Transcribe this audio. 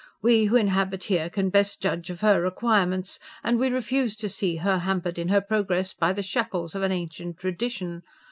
We who inhabit here can best judge of her requirements, and we refuse to see her hampered in her progress by the shackles of an ancient tradition.